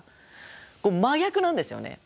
真逆なんですよね。